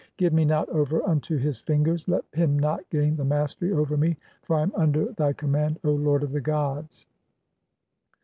Give me not over unto his fingers, "let him not gain the mastery over me, for I am under thy "command, O lord of the gods."